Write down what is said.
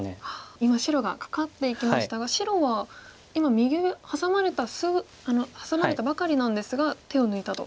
今白がカカっていきましたが白は今右上ハサまれたハサまれたばかりなんですが手を抜いたと。